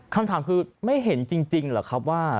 คำถามคือไม่เห็นจริงเหรอครับว่า